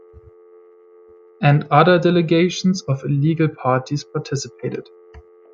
And other delegations of illegal parties participated.